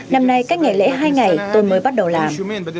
năm nay cách ngày lễ hai ngày tôi mới bắt đầu làm